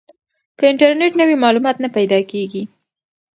که انټرنیټ نه وي معلومات نه پیدا کیږي.